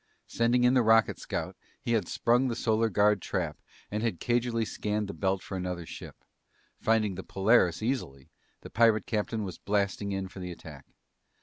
Sending in the rocket scout, he had sprung the Solar Guard trap and had cagily scanned the belt for another ship. Finding the Polaris easily, the pirate captain was blasting in for the attack.